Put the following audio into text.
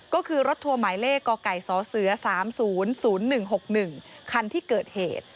ก็คือรถทัวร์หมายเลขกไก่สเส๓๐๐๑๖๑คันที่เกิดเหตุ